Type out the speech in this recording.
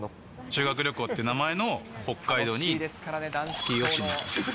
修学旅行って名前の、北海道にスキーをしに行きました。